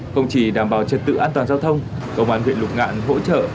không chỉ đảm bảo trật tự an toàn giao thông công an huyện lục ngạn hỗ trợ